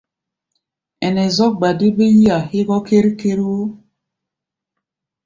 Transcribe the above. Ɛnɛ zɔ́k gba dé bé yí-a hégɔ́ ker-ker wo.